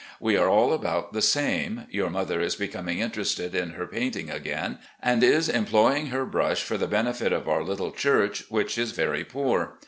We are all about the same. Your mother is becoming interested in her painting again, and is employing her brush for the benefit of our little church, which is very poor.